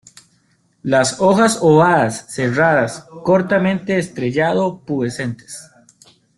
Las hojas ovadas, serradas, cortamente estrellado-pubescentes.